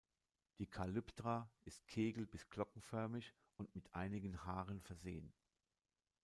Die Kalyptra ist kegel- bis glockenförmig und mit einigen Haaren versehen.